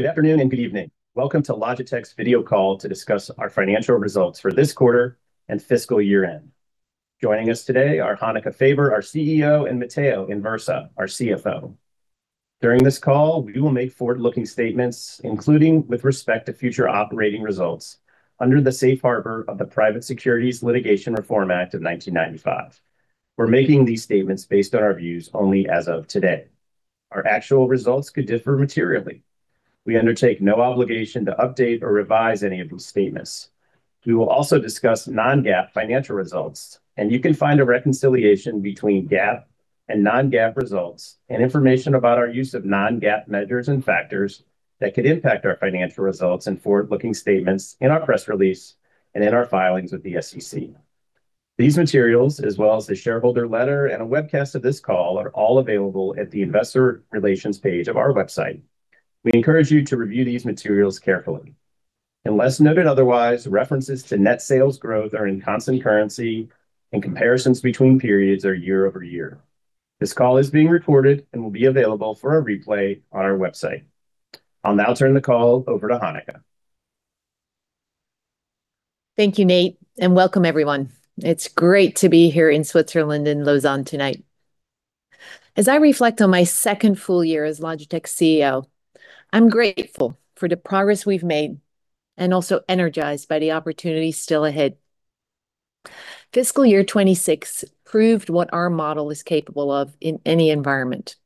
Good afternoon and good evening. Welcome to Logitech's video call to discuss our financial results for this quarter and fiscal year-end. Joining us today are Hanneke Faber, our CEO, and Matteo Anversa, our CFO. During this call, we will make forward-looking statements, including with respect to future operating results under the safe harbor of the Private Securities Litigation Reform Act of 1995. We're making these statements based on our views only as of today. Our actual results could differ materially. We undertake no obligation to update or revise any of these statements. We will also discuss non-GAAP financial results, and you can find a reconciliation between GAAP and non-GAAP results and information about our use of non-GAAP measures and factors that could impact our financial results and forward-looking statements in our press release and in our filings with the SEC. These materials, as well as the shareholder letter and a webcast of this call, are all available at the investor relations page of our website. We encourage you to review these materials carefully. Unless noted otherwise, references to net sales growth are in constant currency and comparisons between periods are year-over-year. This call is being recorded and will be available for a replay on our website. I'll now turn the call over to Hanneke. Thank you, Nate, and welcome everyone. It's great to be here in Switzerland in Lausanne tonight. As I reflect on my second full year as Logitech CEO, I'm grateful for the progress we've made and also energized by the opportunity still ahead. Fiscal year 2026 proved what our model is capable of in any environment: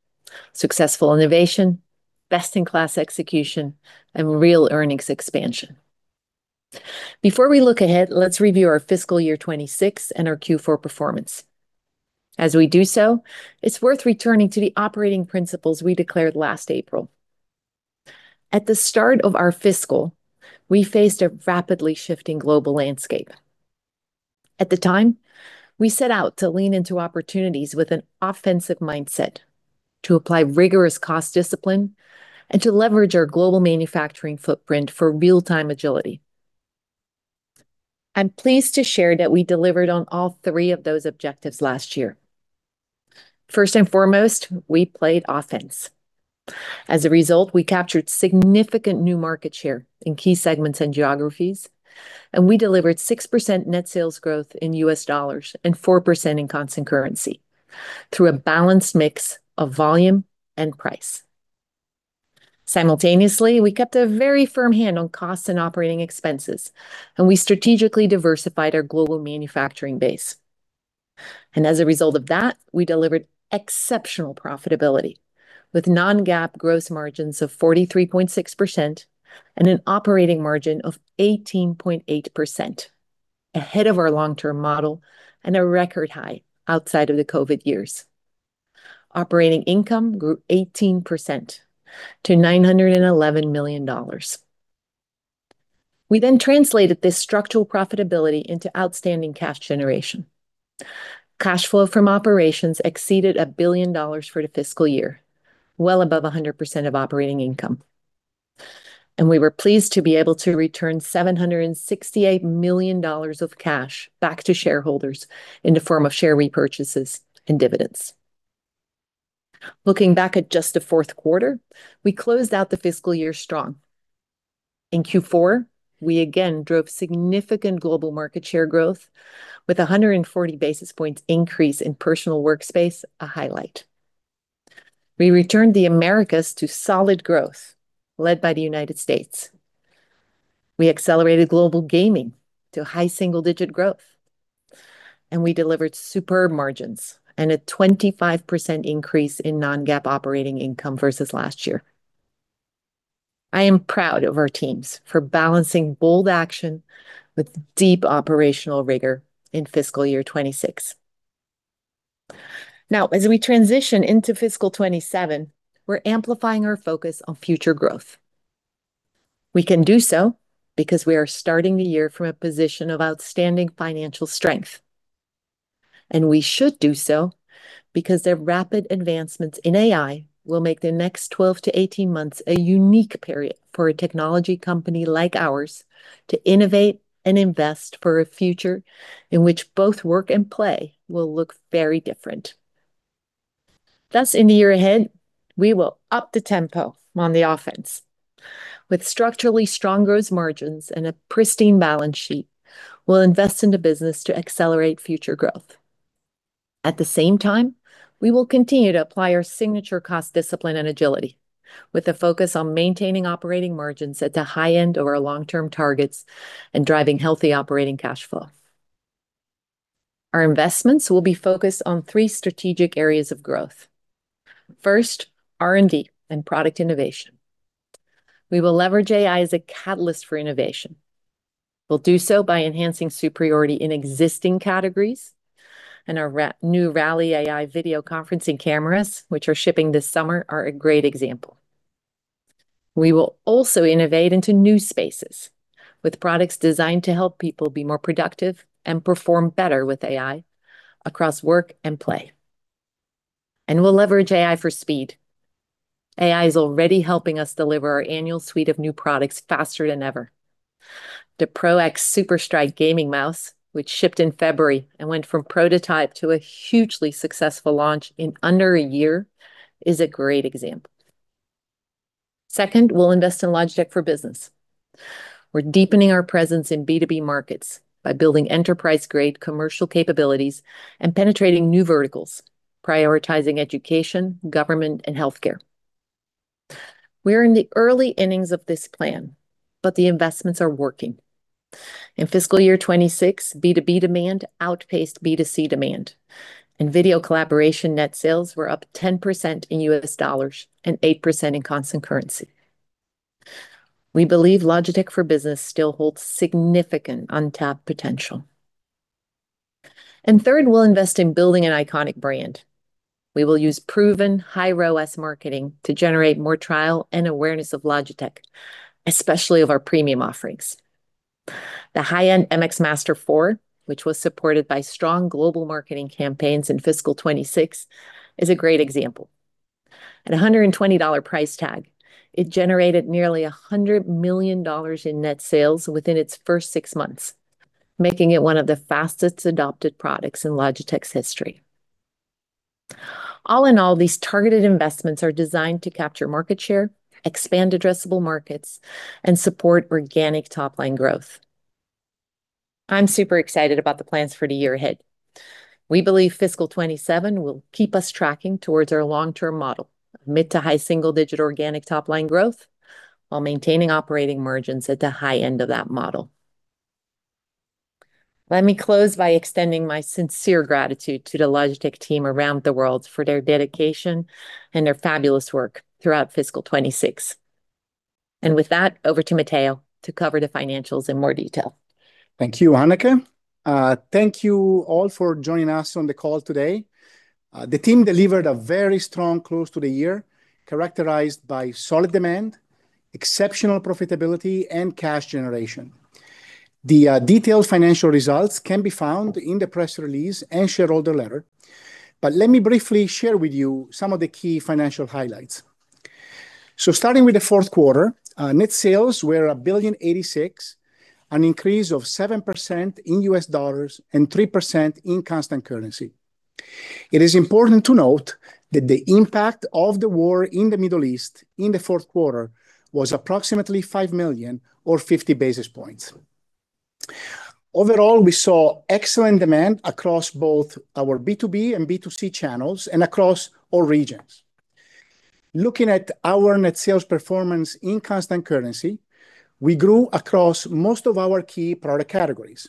successful innovation, best-in-class execution, and real earnings expansion. Before we look ahead, let's review our fiscal year 2026 and our Q4 performance. As we do so, it's worth returning to the operating principles we declared last April. At the start of our fiscal, we faced a rapidly shifting global landscape. At the time, we set out to lean into opportunities with an offensive mindset to apply rigorous cost discipline and to leverage our global manufacturing footprint for real-time agility. I'm pleased to share that we delivered on all three of those objectives last year. First and foremost, we played offense. As a result, we captured significant new market share in key segments and geographies, and we delivered 6% net sales growth in U.S. dollars and 4% in constant currency through a balanced mix of volume and price. Simultaneously, we kept a very firm hand on cost and operating expenses, and we strategically diversified our global manufacturing base. As a result of that, we delivered exceptional profitability with non-GAAP gross margins of 43.6% and an operating margin of 18.8%, ahead of our long-term model and a record high outside of the COVID years. Operating income grew 18% to $ 911 million. We translated this structural profitability into outstanding cash generation. Cash flow from operations exceeded $1 billion for the fiscal year, well above 100% of operating income. We were pleased to be able to return $768 million of cash back to shareholders in the form of share repurchases and dividends. Looking back at just the fourth quarter, we closed out the fiscal year strong. In Q4, we again drove significant global market share growth with a 140 basis points increase in personal workspace, a highlight. We returned the Americas to solid growth, led by the United States. We accelerated global gaming to high single-digit growth, and we delivered superb margins and a 25% increase in non-GAAP operating income versus last year. I am proud of our teams for balancing bold action with deep operational rigor in fiscal year 2026. As we transition into fiscal 2027, we're amplifying our focus on future growth. We can do so because we are starting the year from a position of outstanding financial strength, and we should do so because the rapid advancements in AI will make the next 12-18 months a unique period for a technology company like ours to innovate and invest for a future in which both work and play will look very different. Thus, in the year ahead, we will up the tempo on the offense. With structurally strong gross margins and a pristine balance sheet, we'll invest in the business to accelerate future growth. At the same time, we will continue to apply our signature cost discipline and agility with a focus on maintaining operating margins at the high end of our long-term targets and driving healthy operating cash flow. Our investments will be focused on three strategic areas of growth. First, R&D and product innovation. We will leverage AI as a catalyst for innovation. We'll do so by enhancing superiority in existing categories. Our new Rally AI video conferencing cameras, which are shipping this summer, are a great example. We will also innovate into new spaces with products designed to help people be more productive and perform better with AI across work and play. We'll leverage AI for speed. AI is already helping us deliver our annual suite of new products faster than ever. The PRO X2 SUPERSTRIKE gaming mouse, which shipped in February and went from prototype to a hugely successful launch in under a year, is a great example. Second, we'll invest in Logitech for Business. We're deepening our presence in B2B markets by building enterprise-grade commercial capabilities and penetrating new verticals, prioritizing education, government, and healthcare. We're in the early innings of this plan, the investments are working. In fiscal year 2026, B2B demand outpaced B2C demand. Video collaboration net sales were up 10% in U.S. dollars and 8% in constant currency. We believe Logitech for Business still holds significant untapped potential. Third, we'll invest in building an iconic brand. We will use proven high ROAS marketing to generate more trial and awareness of Logitech, especially of our premium offerings. The high-end MX Master 4, which was supported by strong global marketing campaigns in fiscal 2026, is a great example. At a $120 price tag, it generated nearly $100 million in net sales within its first six months, making it one of the fastest-adopted products in Logitech's history. All in all, these targeted investments are designed to capture market share, expand addressable markets, and support organic top line growth. I'm super excited about the plans for the year ahead. We believe fiscal 2027 will keep us tracking towards our long-term model, mid to high single-digit organic top line growth, while maintaining operating margins at the high end of that model. Let me close by extending my sincere gratitude to the Logitech team around the world for their dedication and their fabulous work throughout fiscal 2026. With that, over to Matteo to cover the financials in more detail. Thank you, Hanneke. Thank you all for joining us on the call today. The team delivered a very strong close to the year, characterized by solid demand, exceptional profitability, and cash generation. The detailed financial results can be found in the press release and shareholder letter. Let me briefly share with you some of the key financial highlights. Starting with the fourth quarter, net sales were $1.086 billion, an increase of 7% in U.S. dollars and 3% in constant currency. It is important to note that the impact of the war in the Middle East in the fourth quarter was approximately $5 million or 50 basis points. Overall, we saw excellent demand across both our B2B and B2C channels and across all regions. Looking at our net sales performance in constant currency, we grew across most of our key product categories.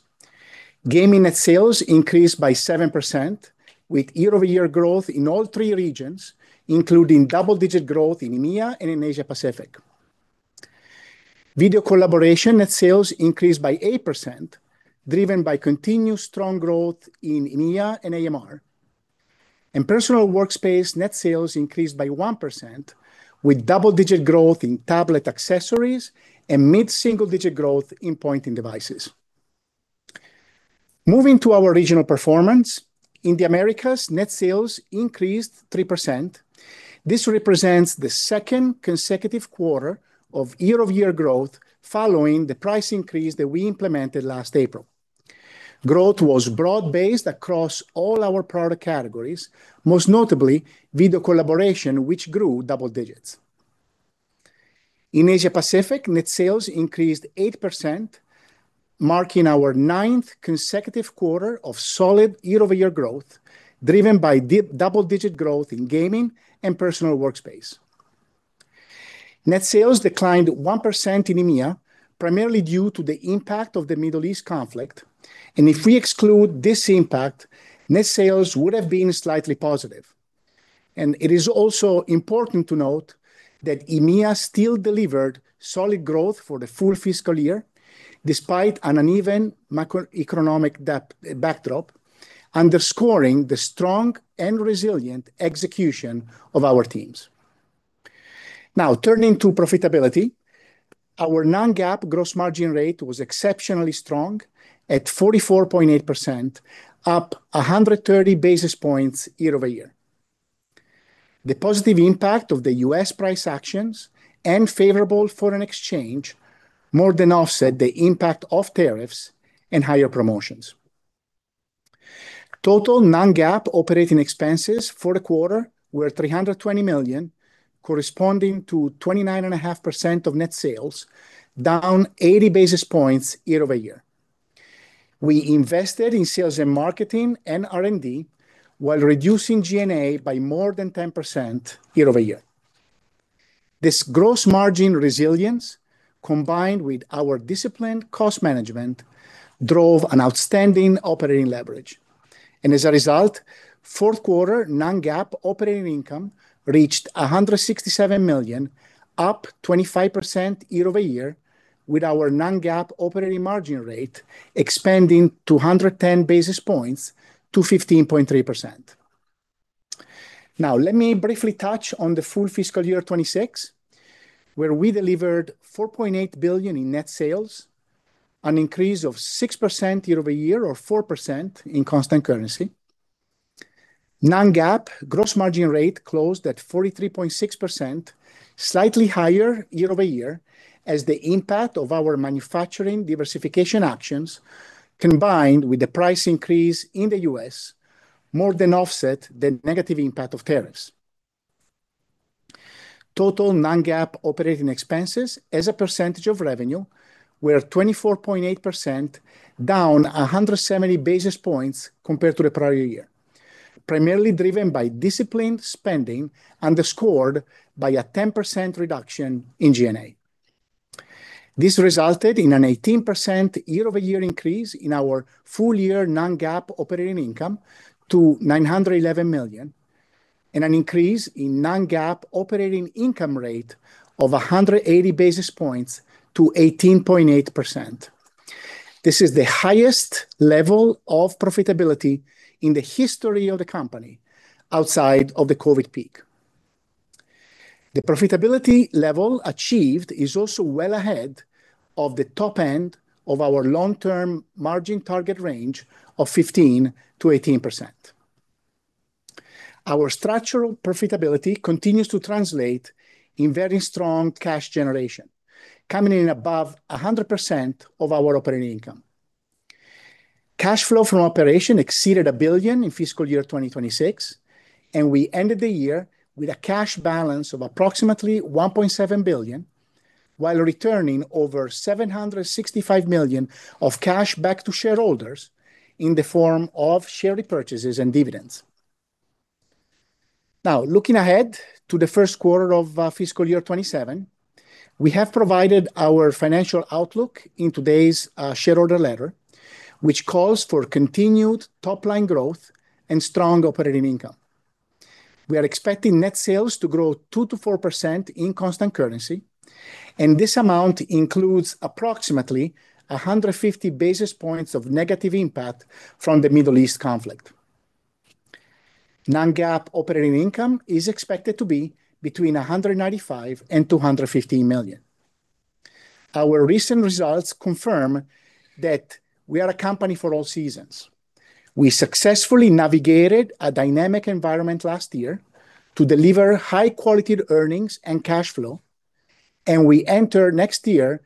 Gaming net sales increased by 7% with year-over-year growth in all three regions, including double-digit growth in EMEA and in Asia Pacific. Video collaboration net sales increased by 8%, driven by continued strong growth in EMEA and AMR. Personal workspace net sales increased by 1%, with double-digit growth in tablet accessories and mid-single-digit growth in pointing devices. Moving to our regional performance, in the Americas, net sales increased 3%. This represents the second consecutive quarter of year-over-year growth following the price increase that we implemented last April. Growth was broad-based across all our product categories, most notably video collaboration, which grew double digits. In Asia Pacific, net sales increased 8%, marking our ninth consecutive quarter of solid year-over-year growth, driven by double-digit growth in gaming and personal workspace. Net sales declined 1% in EMEA, primarily due to the impact of the Middle East conflict. If we exclude this impact, net sales would have been slightly positive. It is also important to note that EMEA still delivered solid growth for the full fiscal year despite an uneven macroeconomic backdrop, underscoring the strong and resilient execution of our teams. Turning to profitability, our non-GAAP gross margin rate was exceptionally strong at 44.8%, up 130 basis points year-over-year. The positive impact of the U.S. price actions and favorable foreign exchange more than offset the impact of tariffs and higher promotions. Total non-GAAP operating expenses for the quarter were $320 million, corresponding to 29.5% of net sales, down 80 basis points year-over-year. We invested in sales and marketing and R&D while reducing G&A by more than 10% year-over-year. This gross margin resilience, combined with our disciplined cost management, drove an outstanding operating leverage. As a result, fourth quarter non-GAAP operating income reached $167 million, up 25% year-over-year, with our non-GAAP operating margin rate expanding 210 basis points to 15.3%. Let me briefly touch on the full fiscal year 2026, where we delivered $4.8 billion in net sales, an increase of 6% year-over-year or 4% in constant currency. Non-GAAP gross margin rate closed at 43.6%, slightly higher year-over-year, as the impact of our manufacturing diversification actions combined with the price increase in the U.S. more than offset the negative impact of tariffs. Total non-GAAP operating expenses as a percentage of revenue were 24.8%, down 170 basis points compared to the prior year, primarily driven by disciplined spending underscored by a 10% reduction in G&A. This resulted in an 18% year-over-year increase in our full year non-GAAP operating income to $911 million, and an increase in non-GAAP operating income rate of 180 basis points to 18.8%. This is the highest level of profitability in the history of the company outside of the COVID peak. The profitability level achieved is also well ahead of the top end of our long-term margin target range of 15%-18%. Our structural profitability continues to translate in very strong cash generation, coming in above 100% of our operating income. Cash flow from operation exceeded $1 billion in fiscal year 2026, and we ended the year with a cash balance of approximately $1.7 billion, while returning over $765 million of cash back to shareholders in the form of share repurchases and dividends. Now, looking ahead to the first quarter of fiscal year 2027, we have provided our financial outlook in today's shareholder letter, which calls for continued top-line growth and strong operating income. We are expecting net sales to grow 2%-4% in constant currency, and this amount includes approximately 150 basis points of negative impact from the Middle East conflict. Non-GAAP operating income is expected to be between $195 million and $215 million. Our recent results confirm that we are a company for all seasons. We successfully navigated a dynamic environment last year to deliver high-quality earnings and cash flow, and we enter next year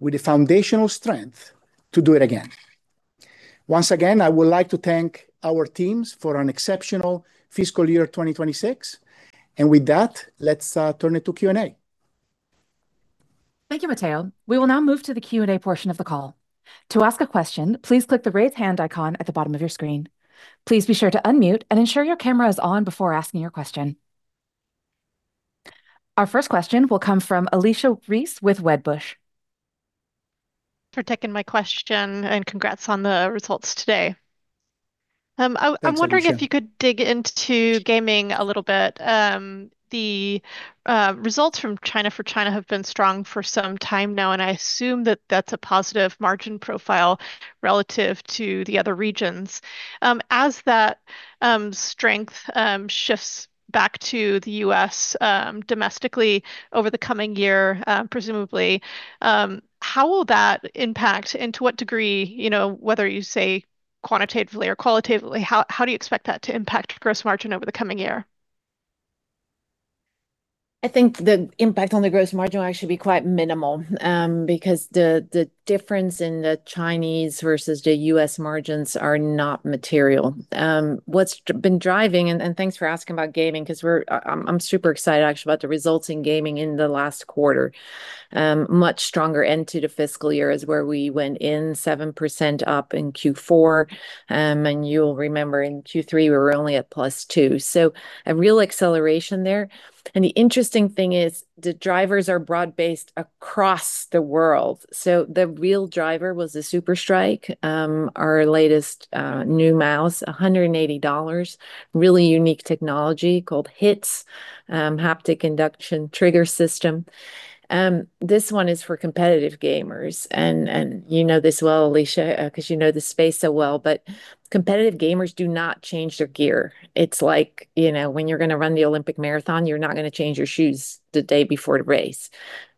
with the foundational strength to do it again. Once again, I would like to thank our teams for an exceptional fiscal year 2026. With that, let's turn it to Q&A. Thank you, Matteo. We will now move to the Q&A portion of the call. To ask a question, please click the raise hand icon at the bottom of your screen. Please be sure to unmute and ensure your camera is on before asking your question. Our first question will come from Alicia Reese with Wedbush. Thank you for taking my question and congrats on the results today. Thanks, Alicia. I'm wondering if you could dig into gaming a little bit. The results from China for China have been strong for some time now, and I assume that that's a positive margin profile relative to the other regions. As that strength shifts back to the U.S. domestically over the coming year, presumably, how will that impact and to what degree, you know, whether you say quantitatively or qualitatively, how do you expect that to impact gross margin over the coming year? I think the impact on the gross margin will actually be quite minimal, because the difference in the Chinese versus the U.S. margins are not material. Thanks for asking about gaming, 'cause we're, I'm super excited actually about the results in gaming in the last quarter. Much stronger into the fiscal year is where we went in, 7% up in Q4. You'll remember in Q3 we were only at +2%. A real acceleration there. The interesting thing is the drivers are broad-based across the world. The real driver was the Superstrike, our latest new mouse, $180. Really unique technology called HITS, Haptic Inductive Trigger System. This one is for competitive gamers. You know this well, Alicia, 'cause you know the space so well. Competitive gamers do not change their gear. It's like, you know, when you're gonna run the Olympic marathon, you're not gonna change your shoes the day before the race.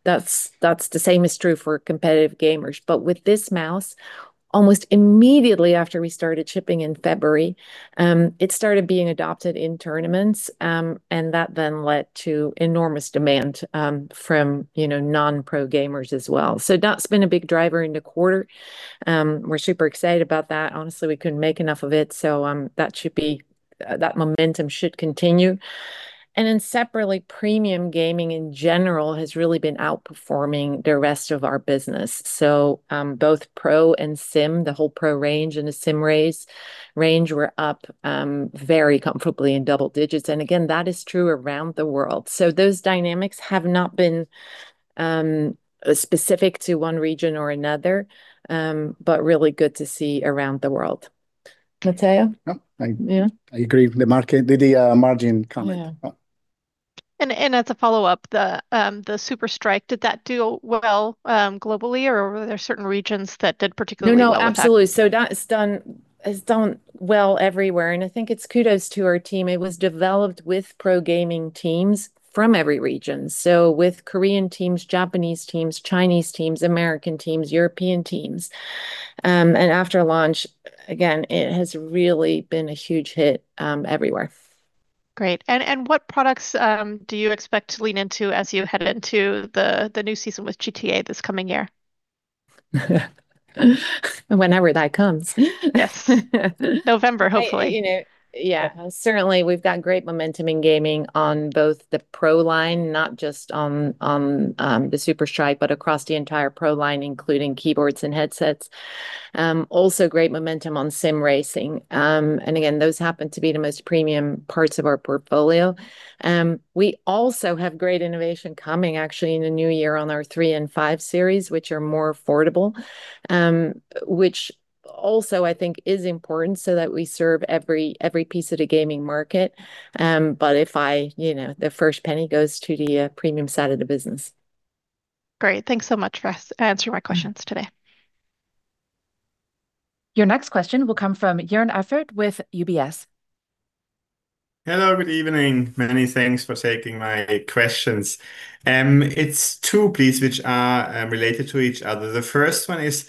That's the same is true for competitive gamers. With this mouse, almost immediately after we started shipping in February, it started being adopted in tournaments. That then led to enormous demand, from, you know, non-Pro gamers as well. That's been a big driver in the quarter. We're super excited about that. Honestly, we couldn't make enough of it, that momentum should continue. Separately, premium gaming in general has really been outperforming the rest of our business. Both Pro and sim, the whole Pro range and the sim racing range were up, very comfortably in double digits. Again, that is true around the world. Those dynamics have not been specific to one region or another, but really good to see around the world. Matteo? Yep. Yeah I agree. The market, the margin comment. Yeah. Yeah. As a follow-up, the Superstrike, did that do well globally, or were there certain regions that did particularly well with that? No, no, absolutely. That's done, has done well everywhere, and I think it's kudos to our team. It was developed with pro gaming teams from every region. With Korean teams, Japanese teams, Chinese teams, American teams, European teams. After launch, again, it has really been a huge hit everywhere. Great. What products do you expect to lean into as you head into the new season with GTA this coming year? Whenever that comes. Yes. November, hopefully. I, you know, yeah. Certainly, we've got great momentum in gaming on both the Pro Line, not just on the SuperStrike, but across the entire Pro Line, including keyboards and headsets. Also great momentum on sim racing. Again, those happen to be the most premium parts of our portfolio. We also have great innovation coming actually in the new year on our 3 and 5 Series, which are more affordable, which also I think is important so that we serve every piece of the gaming market. If I, you know, the first penny goes to the premium side of the business. Great. Thanks so much for answering my questions today. Your next question will come from Joern Iffert with UBS. Hello, good evening. Many thanks for taking my questions. It's two, please, which are related to each other. The first one is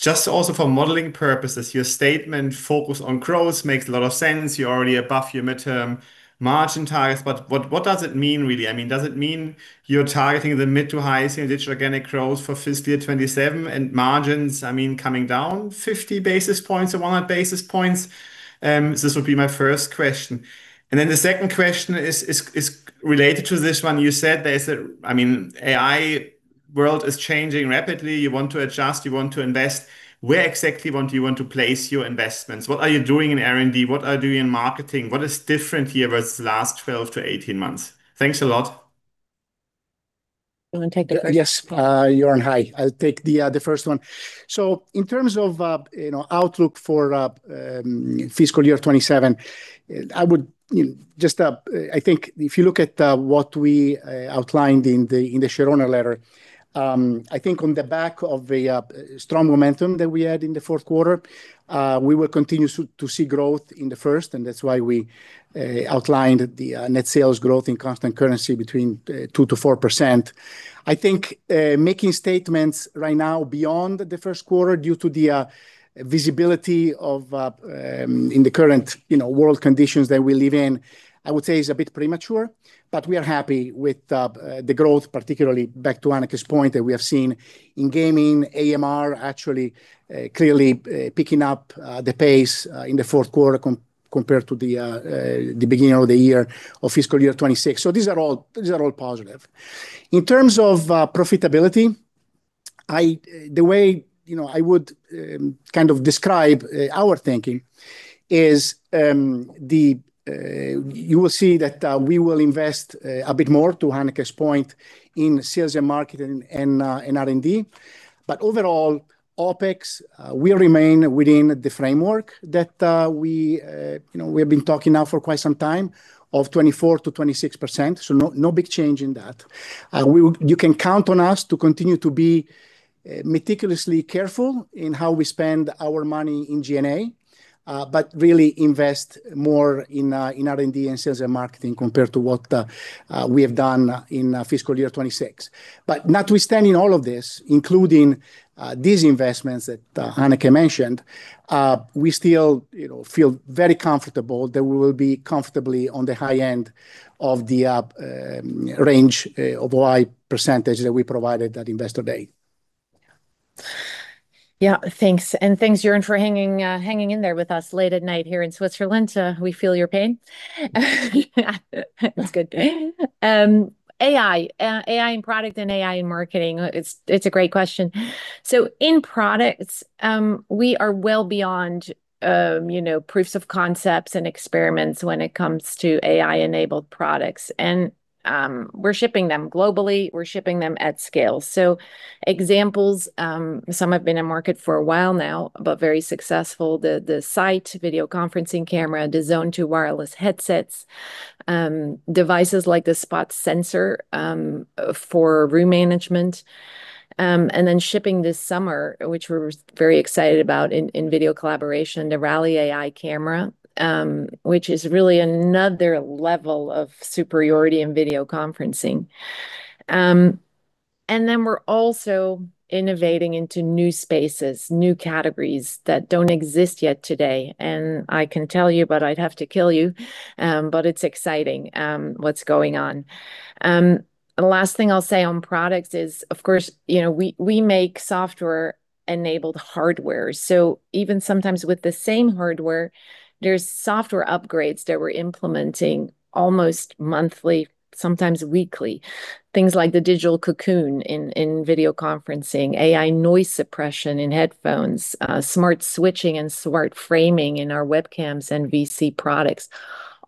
just also for modeling purposes. Your statement, "Focus on growth," makes a lot of sense. You're already above your midterm margin targets. What does it mean really? I mean, does it mean you're targeting the mid to high single-digit organic growth for fiscal year 2027, and margins, I mean, coming down 50 basis points or 100 basis points? This would be my first question. The second question is related to this one. You said I mean, AI world is changing rapidly. You want to adjust, you want to invest. Where exactly do you want to place your investments? What are you doing in R&D? What are you doing in marketing? What is different here versus the last 12 to 18 months? Thanks a lot. You wanna take the first one? Joern, hi. I'll take the first one. In terms of, you know, outlook for fiscal year 2027, I would, you know, just, I think if you look at what we outlined in the shareholder letter, I think on the back of the strong momentum that we had in the fourth quarter, we will continue to see growth in the first quarter, and that's why we outlined the net sales growth in constant currency between 2%-4%. I think making statements right now beyond the first quarter due to the visibility of in the current, you know, world conditions that we live in, I would say is a bit premature. We are happy with the growth, particularly back to Hanneke's point, that we have seen in gaming, AMR actually, clearly picking up the pace in the fourth quarter compared to the beginning of the year, of fiscal year 2026. These are all positive. In terms of profitability, I, the way, you know, I would kind of describe our thinking is, the, you will see that we will invest a bit more, to Hanneke's point, in sales and marketing and in R&D. Overall, OpEx will remain within the framework that we, you know, we have been talking now for quite some time of 24%-26%. No big change in that. You can count on us to continue to be meticulously careful in how we spend our money in G&A, but really invest more in R&D and sales and marketing compared to what we have done in fiscal year 2026. But notwithstanding all of this, including these investments that Hanneke mentioned, we still, you know, feel very comfortable that we will be comfortably on the high end of the range of the high percentage that we provided at Investor Day. Yeah, thanks. Thanks, Joern, for hanging in there with us late at night here in Switzerland. We feel your pain. Yeah. That's good. AI in product and AI in marketing, it's a great question. In products, we are well beyond, you know, proofs of concepts and experiments when it comes to AI-enabled products. We're shipping them globally. We're shipping them at scale. Examples, some have been in market for a while now, but very successful. The Sight video conferencing camera, the Zone 2 Wireless headsets, devices like the Spot Sensor, for room management. Shipping this summer, which we're very excited about in video collaboration, the Rally AI Camera, which is really another level of superiority in video conferencing. We're also innovating into new spaces, new categories that don't exist yet today, and I can tell you, but I'd have to kill you. It's exciting what's going on. The last thing I'll say on products is, of course, you know, we make software-enabled hardware. Even sometimes with the same hardware, there's software upgrades that we're implementing almost monthly, sometimes weekly. Things like the digital cocoon in video conferencing, AI noise suppression in headphones, smart switching and smart framing in our webcams and VC products.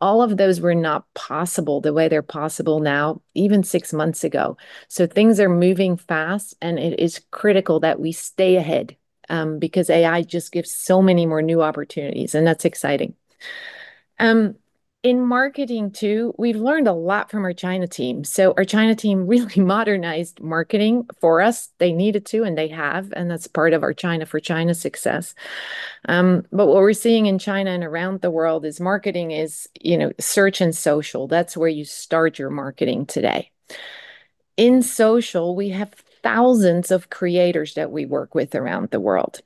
All of those were not possible the way they're possible now, even six months ago. Things are moving fast, and it is critical that we stay ahead because AI just gives so many more new opportunities, and that's exciting. In marketing too, we've learned a lot from our China team. Our China team really modernized marketing for us. They needed to, and they have, and that's part of our China for China success. What we're seeing in China and around the world is marketing is, you know, search and social. That's where you start your marketing today. In social, we have thousands of creators that we work with around the world.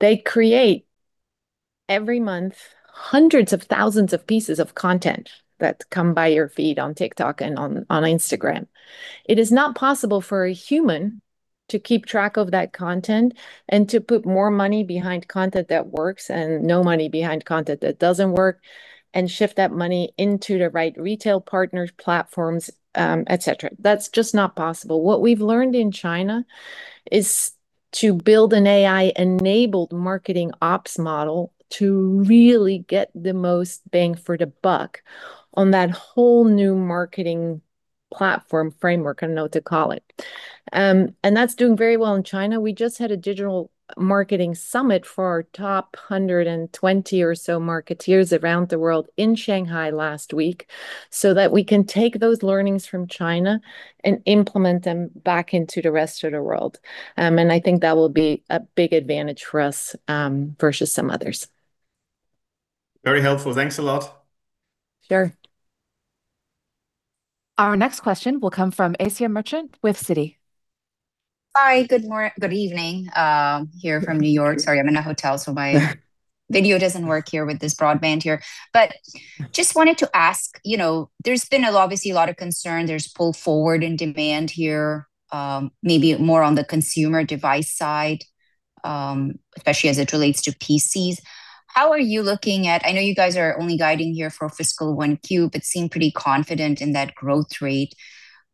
They create every month hundreds of thousands of pieces of content that come by your feed on TikTok and on Instagram. It is not possible for a human to keep track of that content and to put more money behind content that works and no money behind content that doesn't work, and shift that money into the right retail partners, platforms, et cetera. That's just not possible. What we've learned in China is to build an AI-enabled marketing ops model to really get the most bang for the buck on that whole new marketing platform framework. I don't know what to call it. That's doing very well in China. We just had a digital marketing summit for our top 120 or so marketeers around the world in Shanghai last week, so that we can take those learnings from China and implement them back into the rest of the world. I think that will be a big advantage for us versus some others. Very helpful. Thanks a lot. Sure. Our next question will come from Asiya Merchant with Citi. Hi, good evening, here from New York. Sorry, I'm in a hotel, so my video doesn't work here with this broadband here. Just wanted to ask, you know, there's been obviously a lot of concern, there's pull forward in demand here, maybe more on the consumer device side, especially as it relates to PCs. How are you looking at? I know you guys are only guiding here for fiscal 1Q, but seem pretty confident in that growth rate.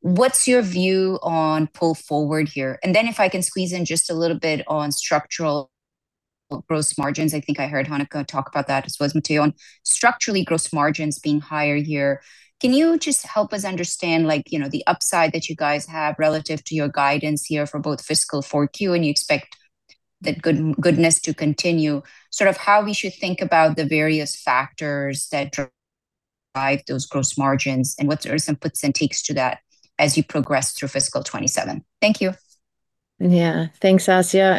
What's your view on pull forward here? If I can squeeze in just a little bit on structural gross margins. I think I heard Hanneke talk about that, as was Matteo, on structurally gross margins being higher here. Can you just help us understand, like, you know, the upside that you guys have relative to your guidance here for both fiscal 4Q, and you expect that goodness to continue? Sort of how we should think about the various factors that drive those gross margins, and what are some puts and takes to that as you progress through fiscal 2027? Thank you. Yeah. Thanks, Asiya,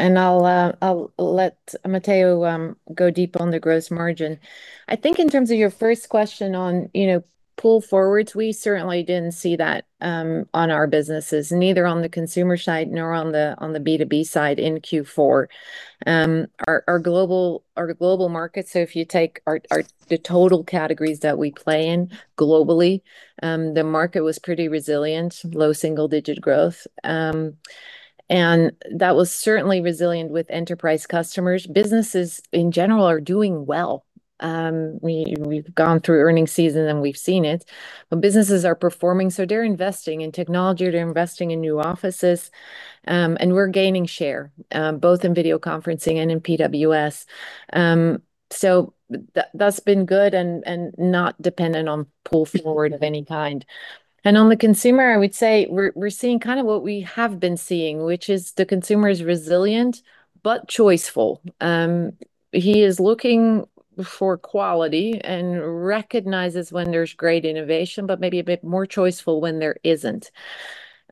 I'll let Matteo go deep on the gross margin. I think in terms of your first question on, you know, pull forwards, we certainly didn't see that on our businesses, neither on the consumer side nor on the B2B side in Q4. Our global market, so if you take the total categories that we play in globally, the market was pretty resilient, low single-digit growth. That was certainly resilient with enterprise customers. Businesses in general are doing well. We've gone through earning season, we've seen it. Businesses are performing, so they're investing in technology, they're investing in new offices, we're gaining share both in video conferencing and in PWS. That's been good and not dependent on pull forward of any kind. On the consumer, I would say we're seeing kind of what we have been seeing, which is the consumer is resilient but choiceful. He is looking for quality and recognizes when there's great innovation, but maybe a bit more choiceful when there isn't.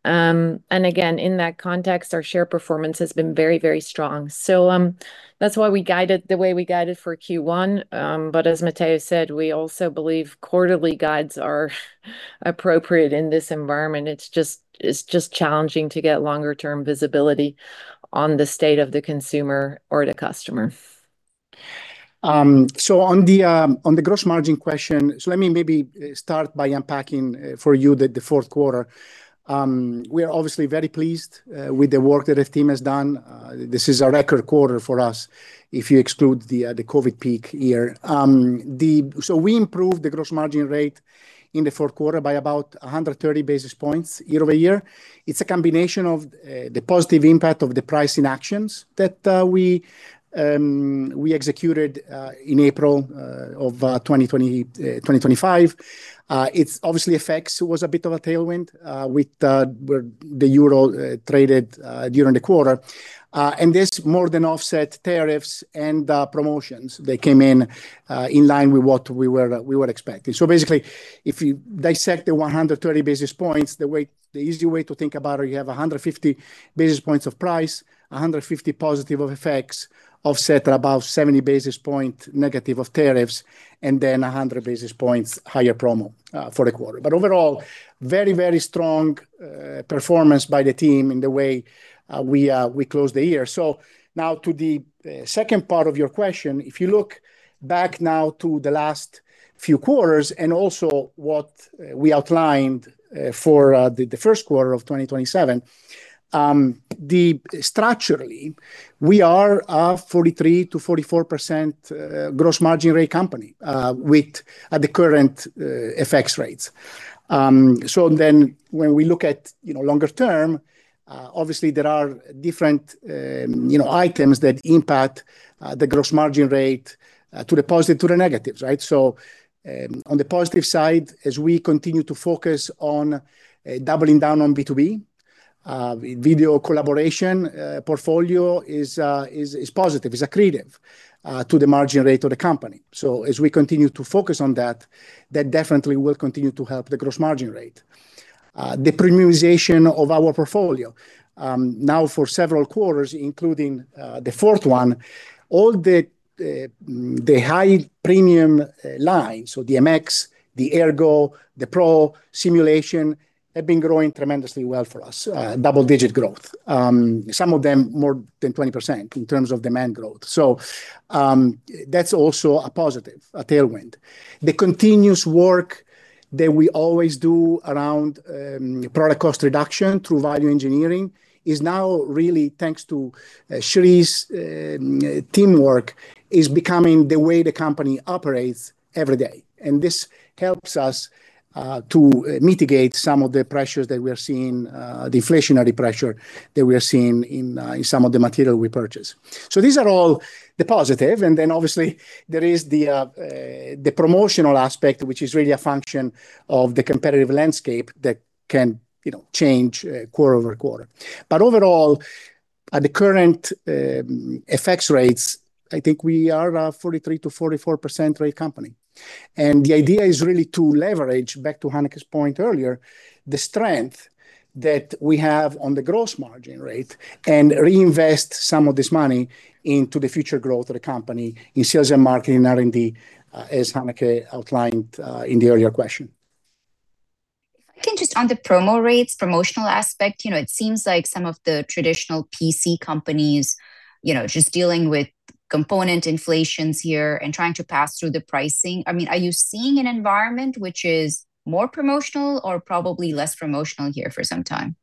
Again, in that context, our share performance has been very, very strong. That's why we guided the way we guided for Q1, but as Matteo said, we also believe quarterly guides are appropriate in this environment. It's just challenging to get longer term visibility on the state of the consumer or the customer. On the gross margin question, let me maybe start by unpacking for you the fourth quarter. We are obviously very pleased with the work that our team has done. This is a record quarter for us if you exclude the COVID peak year. We improved the gross margin rate in the fourth quarter by about 130 basis points year-over-year. It's a combination of the positive impact of the pricing actions that we executed in April of 2025. It's obviously FX was a bit of a tailwind with where the euro traded during the quarter. This more than offset tariffs and promotions. They came in in line with what we were expecting. Basically, if you dissect the 130 basis points, the easy way to think about it, you have 150 basis points of price, 150 positive of FX, offset about 70 basis point negative of tariffs, and then 100 basis points higher promo for the quarter. Overall, very strong performance by the team in the way we closed the year. Now to the second part of your question. If you look back now to the last few quarters and also what we outlined for the first quarter of 2027, structurally, we are a 43%-44% gross margin rate company with at the current FX rates. When we look at, you know, longer term, obviously there are different, you know, items that impact the gross margin rate to the positive, to the negatives, right? On the positive side, as we continue to focus on doubling down on B2B, video collaboration portfolio is positive, is accretive to the margin rate of the company. As we continue to focus on that definitely will continue to help the gross margin rate. The premiumization of our portfolio, now for several quarters, including the fourth one, all the high-premium lines, so MX, the Ergo, the Pro, sim racing, have been growing tremendously well for us, double-digit growth. Some of them more than 20% in terms of demand growth. That's also a positive, a tailwind. The continuous work that we always do around product cost reduction through value engineering is now really, thanks to Sri's teamwork, is becoming the way the company operates every day. This helps us to mitigate some of the pressures that we are seeing, the inflationary pressure that we are seeing in some of the material we purchase. These are all the positive, then obviously there is the promotional aspect, which is really a function of the competitive landscape that can, you know, change quarter-over-quarter. Overall, at the current FX rates, I think we are a 43%-44% rate company. The idea is really to leverage, back to Hanneke's point earlier, the strength that we have on the gross margin rate and reinvest some of this money into the future growth of the company in sales and marketing, R&D, as Hanneke outlined in the earlier question. If I can just on the promo rates, promotional aspect, you know, it seems like some of the traditional PC companies, you know, just dealing with component inflations here and trying to pass through the pricing, I mean, are you seeing an environment which is more promotional or probably less promotional here for some time?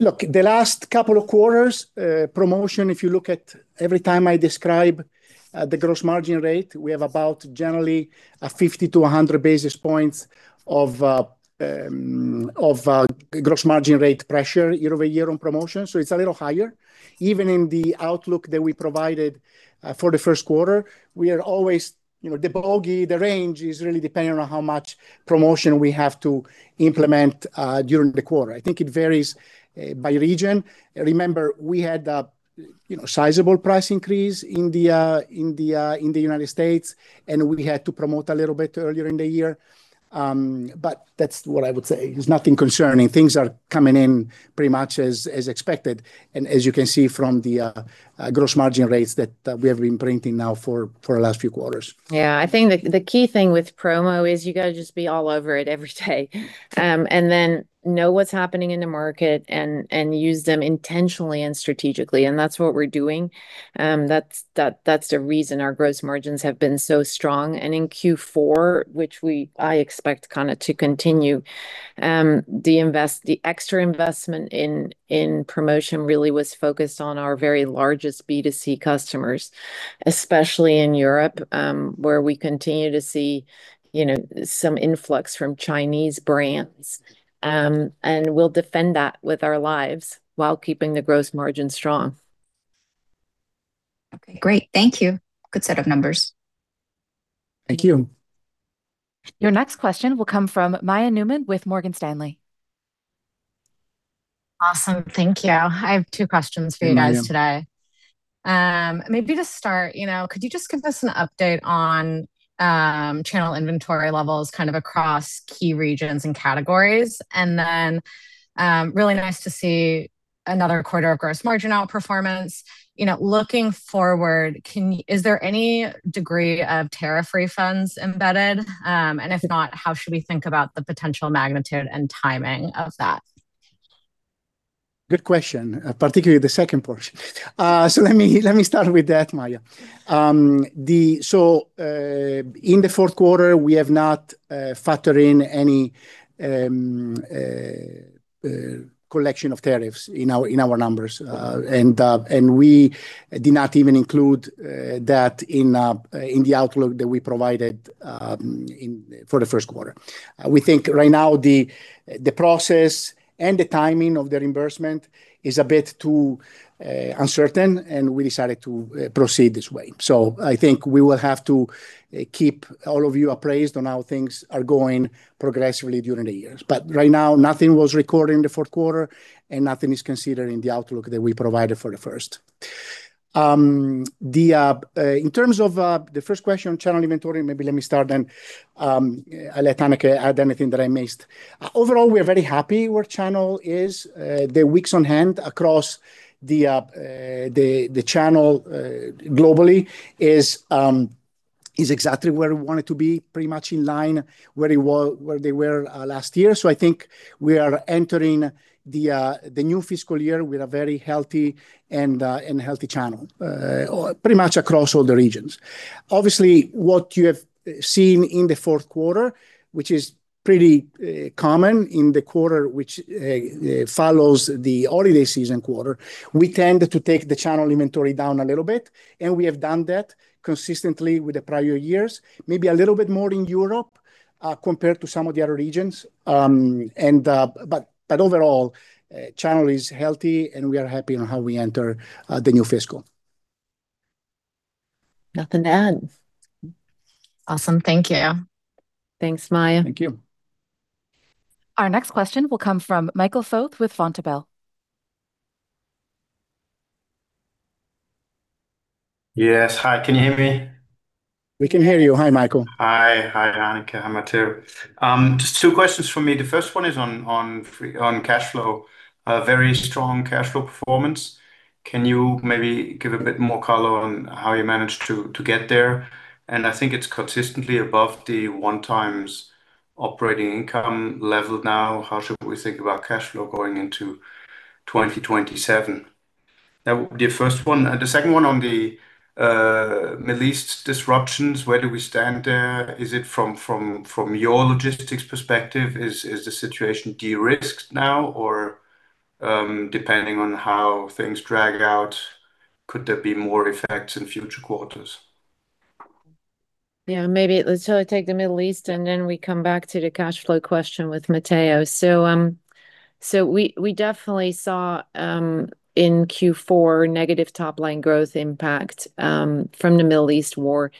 Look, the last couple of quarters, promotion, if you look at every time I describe the gross margin rate, we have about generally a 50 to 100 basis points of gross margin rate pressure year-over-year on promotion. It's a little higher. Even in the outlook that we provided for the first quarter, we are always, you know, the bogey, the range is really depending on how much promotion we have to implement during the quarter. I think it varies by region. Remember, we had, you know, a sizable price increase in the United States, and we had to promote a little bit earlier in the year. That's what I would say. It's nothing concerning. Things are coming in pretty much as expected and as you can see from the gross margin rates that we have been printing now for the last few quarters. Yeah. I think the key thing with promo is you got to just be all over it every day. Then know what's happening in the market and use them intentionally and strategically, and that's what we're doing. That's the reason our gross margins have been so strong. In Q4, I expect kind of to continue, the extra investment in promotion really was focused on our very largest B2C customers, especially in Europe, where we continue to see, you know, some influx from Chinese brands. We'll defend that with our lives while keeping the gross margin strong. Okay. Great. Thank you. Good set of numbers. Thank you. Your next question will come from Maya Neuman with Morgan Stanley. Awesome. Thank you. I have two questions for you guys today. Hey, Maya. Maybe to start, you know, could you just give us an update on channel inventory levels kind of across key regions and categories? Really nice to see another quarter of gross margin outperformance. You know, looking forward, is there any degree of tariff refunds embedded? If not, how should we think about the potential magnitude and timing of that? Good question, particularly the second portion. Let me start with that, Maya. In the fourth quarter, we have not factored in any collection of tariffs in our numbers. And we did not even include that in the outlook that we provided for the first quarter. We think right now the process and the timing of the reimbursement is a bit too uncertain, and we decided to proceed this way. I think we will have to keep all of you appraised on how things are going progressively during the years. Right now, nothing was recorded in the fourth quarter, and nothing is considered in the outlook that we provided for the first. In terms of the first question, channel inventory, maybe let me start, I'll let Hanneke add anything that I missed. We are very happy where channel is. The weeks on hand across the channel globally is exactly where we want it to be, pretty much in line where they were last year. I think we are entering the new fiscal year with a very healthy and healthy channel pretty much across all the regions. Obviously, what you have seen in the fourth quarter, which is pretty common in the quarter which follows the holiday season quarter, we tend to take the channel inventory down a little bit, and we have done that consistently with the prior years, maybe a little bit more in Europe, compared to some of the other regions. Overall, channel is healthy, and we are happy on how we enter the new fiscal. Nothing to add. Awesome. Thank you. Thanks, Maya. Thank you. Our next question will come from Michael Foeth with Vontobel. Yes. Hi, can you hear me? We can hear you. Hi, Michael. Hi. Hi Hanneke. Hi Matteo. Just two questions from me. The first one is on cashflow. A very strong cashflow performance. Can you maybe give a bit more color on how you managed to get there? I think it's consistently above the 1x operating income level now. How should we think about cashflow going into 2027? That would be the first one. The second one on the Middle East disruptions. Where do we stand there? Is it from your logistics perspective, is the situation de-risked now? Depending on how things drag out, could there be more effects in future quarters? Maybe let's sort of take the Middle East, and then we come back to the cashflow question with Matteo. We definitely saw in Q4 negative top-line growth impact from the Middle East war,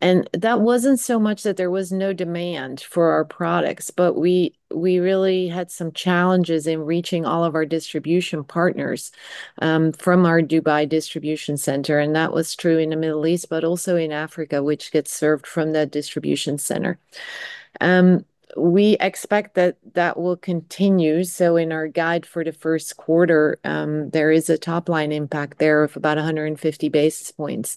and that wasn't so much that there was no demand for our products, but we really had some challenges in reaching all of our distribution partners from our Dubai distribution center. That was true in the Middle East, but also in Africa, which gets served from that distribution center. We expect that that will continue, in our guide for the first quarter, there is a top-line impact there of about 150 basis points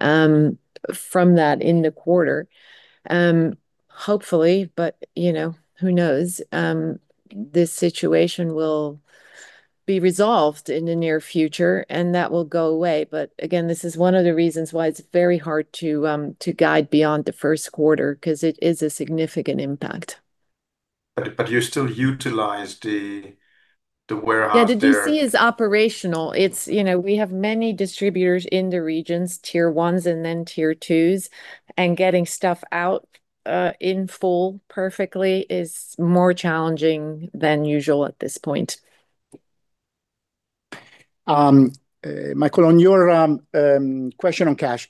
from that in the quarter. Hopefully, but, you know, who knows, this situation will be resolved in the near future, and that will go away. Again, this is one of the reasons why it's very hard to guide beyond the first quarter because it is a significant impact. You still utilize the warehouse there? Yeah, the DC is operational. It's, you know, we have many distributors in the regions, Tier 1s and then Tier 2s, and getting stuff out in full perfectly is more challenging than usual at this point. Michael, on your question on cash.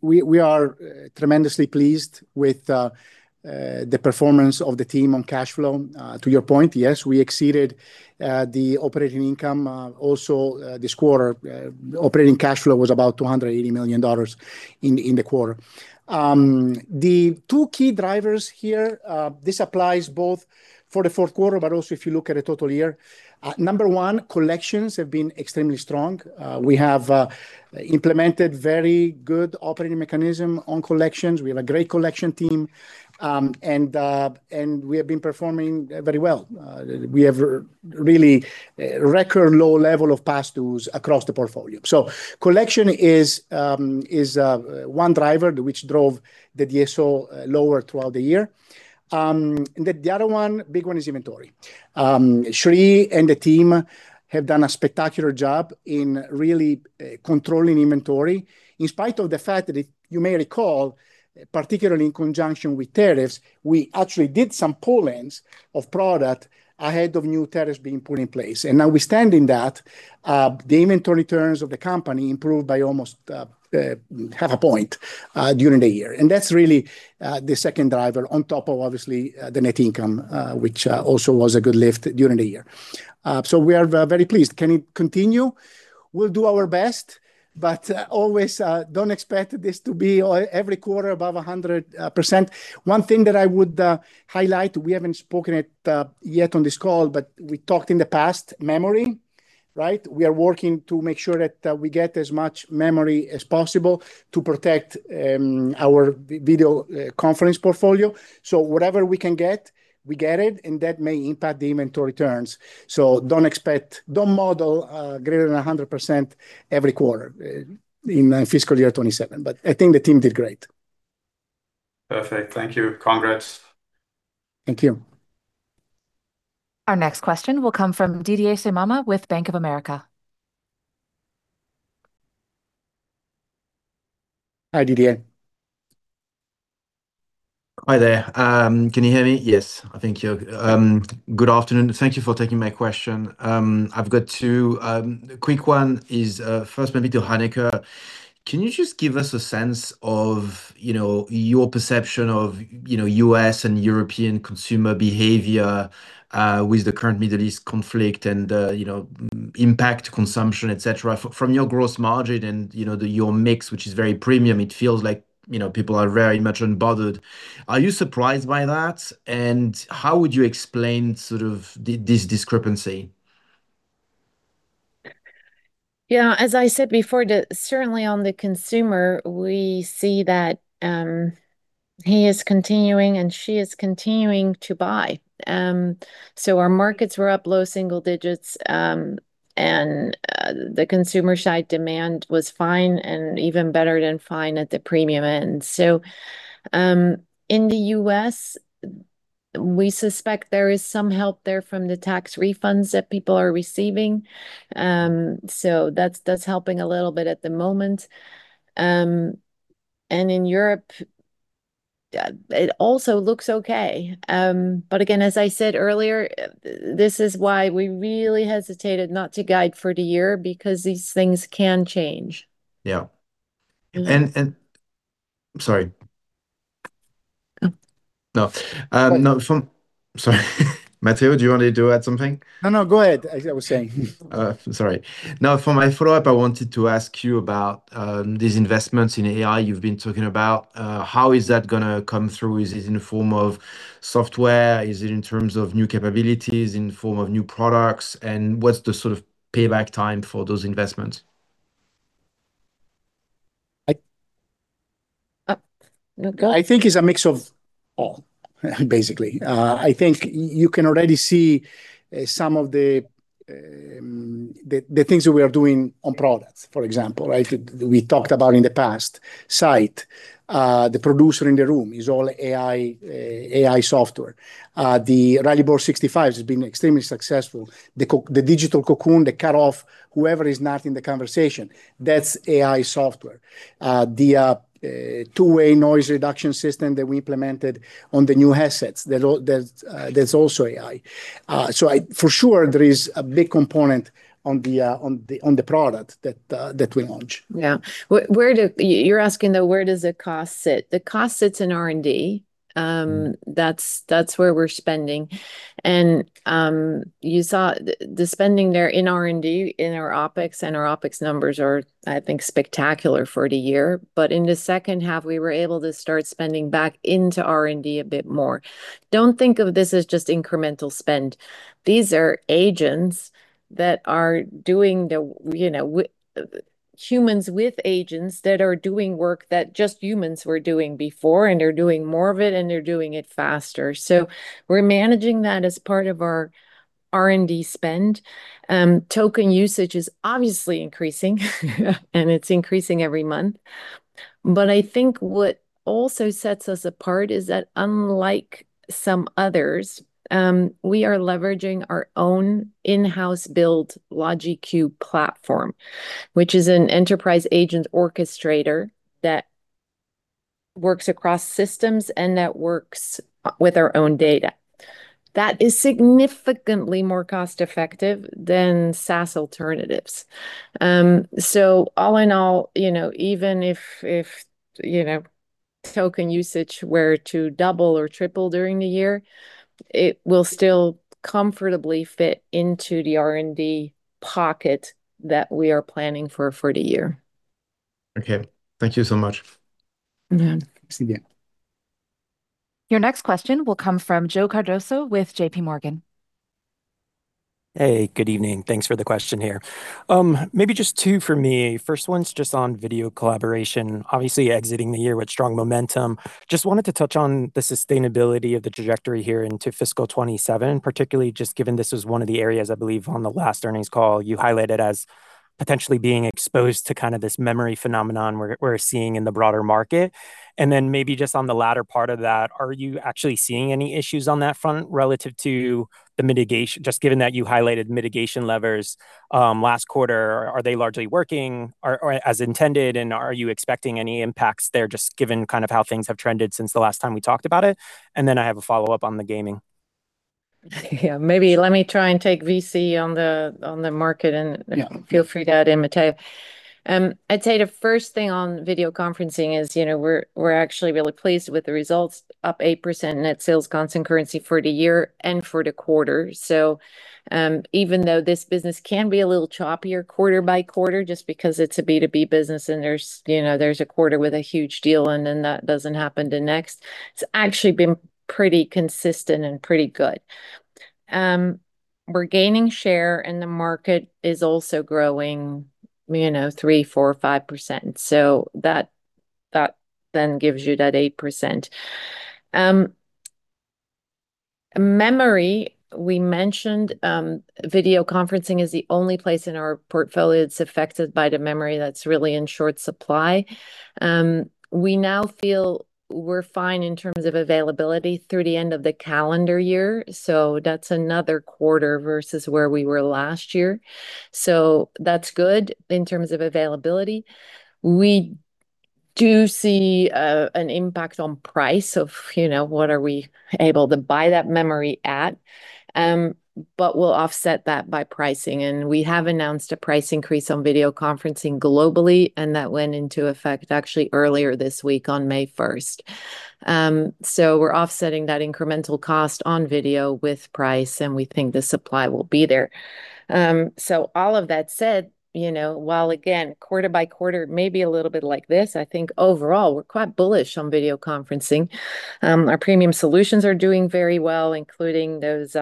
We are tremendously pleased with the performance of the team on cashflow. To your point, yes, we exceeded the operating income also this quarter. Operating cashflow was about $280 million in the quarter. The two key drivers here, this applies both for the fourth quarter, but also if you look at the total year. Number one, collections have been extremely strong. We have implemented very good operating mechanism on collections. We have a great collection team. We have been performing very well. We have really record low level of past dues across the portfolio. Collection is one driver which drove the DSO lower throughout the year. The other one, big one is inventory. Sri and the team have done a spectacular job in really controlling inventory, in spite of the fact that you may recall, particularly in conjunction with tariffs, we actually did some pull-ins of product ahead of new tariffs being put in place. Notwithstanding that, the inventory terms of the company improved by almost half a point during the year. That's really the second driver on top of obviously the net income, which also was a good lift during the year. We are very pleased. Can it continue? We'll do our best, always don't expect this to be every quarter above 100%. One thing that I would highlight, we haven't spoken it yet on this call, but we talked in the past, memory, right. We are working to make sure that we get as much memory as possible to protect our video conference portfolio. Whatever we can get, we get it, and that may impact the inventory returns. Don't model greater than 100 every quarter in fiscal year 2027. I think the team did great. Perfect. Thank you. Congrats. Thank you. Our next question will come from Didier Scemama with Bank of America. Hi, Didier. Hi there. Can you hear me? Yes, I think you. Good afternoon. Thank you for taking my question. I've got two. The quick one is, first maybe to Hanneke. Can you just give us a sense of, you know, your perception of, you know, U.S. and European consumer behavior, with the current Middle East conflict and, you know, impact consumption, et cetera. From your gross margin and, you know, your mix, which is very premium, it feels like, you know, people are very much unbothered. Are you surprised by that? How would you explain sort of this discrepancy? Yeah. As I said before, certainly on the consumer, we see that he is continuing, and she is continuing to buy. Our markets were up low single digits, and the consumer side demand was fine, and even better than fine at the premium end. In the U.S., we suspect there is some help there from the tax refunds that people are receiving. That's helping a little bit at the moment. In Europe, it also looks okay. Again, as I said earlier, this is why we really hesitated not to guide for the year because these things can change. Yeah. Yeah No, no, sorry. Matteo, do you want me to add something? No, no, go ahead. As I was saying. Sorry. Now, for my follow-up, I wanted to ask you about these investments in AI you've been talking about. How is that gonna come through? Is it in the form of software? Is it in terms of new capabilities, in the form of new products? What's the sort of payback time for those investments? I- No, go. I think it's a mix of all, basically. I think you can already see some of the things that we are doing on products, for example, right? We talked about in the past, Sight, the producer in the room is all AI software. The Rally Board 65 has been extremely successful. The digital cocoon, the cutoff, whoever is not in the conversation, that's AI software. The two-way noise reduction system that we implemented on the new headsets, there's also AI. I for sure there is a big component on the product that we launch. Yeah. You're asking though, where does the cost sit? The cost sits in R&D. That's where we're spending. You saw the spending there in R&D, in our OpEx, and our OpEx numbers are, I think, spectacular for the year. In the second half, we were able to start spending back into R&D a bit more. Don't think of this as just incremental spend. These are agents that are doing the, you know, humans with agents that are doing work that just humans were doing before, and they're doing more of it, and they're doing it faster. We're managing that as part of our R&D spend. Token usage is obviously increasing, and it's increasing every month. I think what also sets us apart is that unlike some others, we are leveraging our own in-house build Logi Tune platform, which is an enterprise agent orchestrator that works across systems and that works with our own data. That is significantly more cost-effective than SaaS alternatives. All in all, you know, even if, you know, token usage were to double or triple during the year, it will still comfortably fit into the R&D pocket that we are planning for for the year. Okay. Thank you so much. See you. Your next question will come from Joe Cardoso with JPMorgan. Hey, good evening. Thanks for the question here. Maybe just two for me. First one's just on video collaboration. Obviously exiting the year with strong momentum. Just wanted to touch on the sustainability of the trajectory here into fiscal 2027, particularly just given this was one of the areas, I believe, on the last earnings call you highlighted as potentially being exposed to kind of this memory phenomenon we're seeing in the broader market. Maybe just on the latter part of that, are you actually seeing any issues on that front relative to the mitigation? Just given that you highlighted mitigation levers, last quarter, are they largely working or as intended, and are you expecting any impacts there, just given kind of how things have trended since the last time we talked about it? I have a follow-up on the gaming. Yeah. Maybe let me try and take VC on the market. Yeah feel free to add in, Matteo. I'd say the first thing on video conferencing is, you know, we're actually really pleased with the results, up 8% net sales constant currency for the year and for the quarter. Even though this business can be a little choppier quarter by quarter just because it's a B2B business and there's, you know, there's a quarter with a huge deal and then that doesn't happen the next, it's actually been pretty consistent and pretty good. We're gaining share, and the market is also growing, you know, 3%, 4%, 5%. That then gives you that 8%. Memory, we mentioned, video conferencing is the only place in our portfolio that's affected by the memory that's really in short supply. We now feel we're fine in terms of availability through the end of the calendar year, so that's another quarter versus where we were last year. That's good in terms of availability. We do see an impact on price of, you know, what are we able to buy that memory at. We'll offset that by pricing. We have announced a price increase on video conferencing globally, and that went into effect actually earlier this week on May 1st. We're offsetting that incremental cost on video with price, and we think the supply will be there. All of that said, you know, while again, quarter by quarter may be a little bit like this, I think overall we're quite bullish on video conferencing. Our premium solutions are doing very well, including those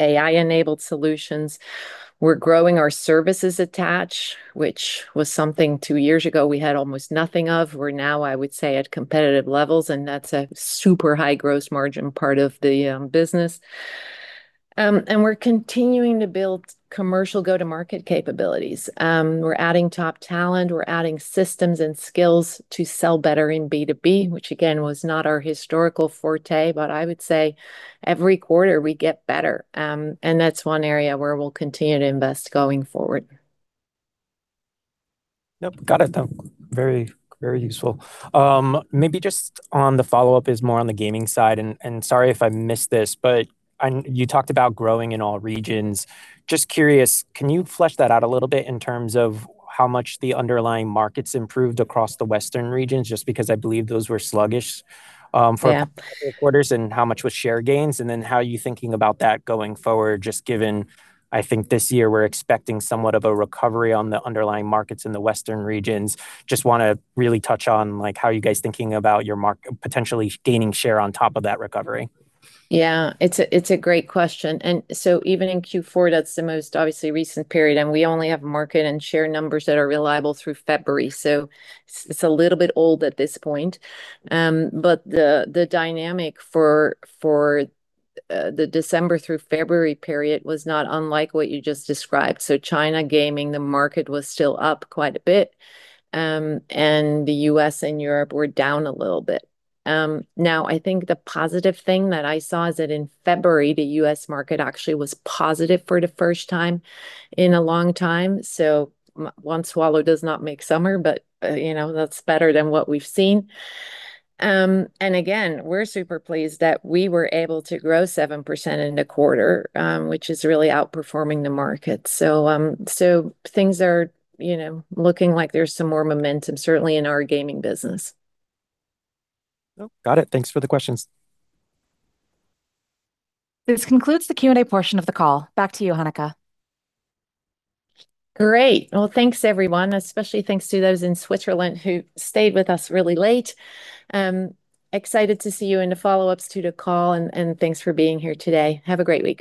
AI-enabled solutions. We're growing our services attach, which was something two years ago we had almost nothing of. We're now, I would say, at competitive levels, and that's a super high gross margin part of the business. We're continuing to build commercial go-to-market capabilities. We're adding top talent, we're adding systems and skills to sell better in B2B, which again, was not our historical forte, but I would say every quarter we get better. That's one area where we'll continue to invest going forward. Yep, got it. Very useful. Maybe just on the follow-up is more on the gaming side, sorry if I missed this, but you talked about growing in all regions. Just curious, can you flesh that out a little bit in terms of how much the underlying markets improved across the Western regions? Just because I believe those were sluggish. Yeah quarters, and how much was share gains, and then how are you thinking about that going forward, just given, I think, this year we're expecting somewhat of a recovery on the underlying markets in the Western regions? Just wanna really touch on, like, how are you guys thinking about your potentially gaining share on top of that recovery? Yeah. It's a great question. Even in Q4, that's the most obviously recent period, and we only have market and share numbers that are reliable through February. It's a little bit old at this point. The dynamic for the December through February period was not unlike what you just described. China gaming the market was still up quite a bit, and the U.S. and Europe were down a little bit. Now I think the positive thing that I saw is that in February, the U.S. market actually was positive for the first time in a long time. One swallow does not make summer, but, you know, that's better than what we've seen. We're super pleased that we were able to grow 7% in a quarter, which is really outperforming the market. Things are, you know, looking like there's some more momentum, certainly in our gaming business. Oh, got it. Thanks for the questions. This concludes the Q&A portion of the call. Back to you, Hanneke. Great. Well, thanks everyone, especially thanks to those in Switzerland who stayed with us really late. I'm excited to see you in the follow-ups to the call and thanks for being here today. Have a great week